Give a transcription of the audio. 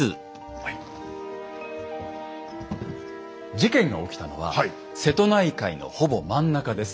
事件が起きたのは瀬戸内海のほぼ真ん中です。